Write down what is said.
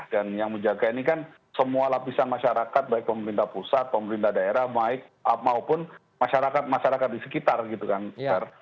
dan yang menjaga ini kan semua lapisan masyarakat baik pemerintah pusat pemerintah daerah maupun masyarakat masyarakat di sekitar